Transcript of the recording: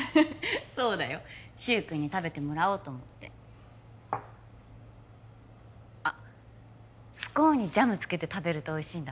そうだよ柊くんに食べてもらおうと思ってあっスコーンにジャムつけて食べるとおいしいんだ